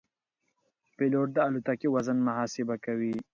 پیلوټ د الوتکې وزن محاسبه کوي.